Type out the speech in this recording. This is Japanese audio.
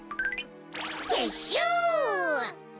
てっしゅう！